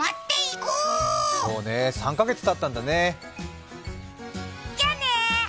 そうね、３カ月たったんだね。